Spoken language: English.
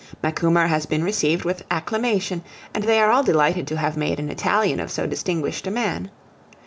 Macumer has been received with acclamation, and they are all delighted to have made an Italian of so distinguished a man.